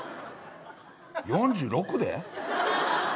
４６で。